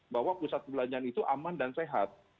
bahwa pusat perbelanjaan itu aman dan sehat